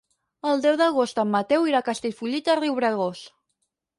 El deu d'agost en Mateu irà a Castellfollit de Riubregós.